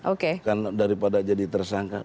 oke kan daripada jadi tersangka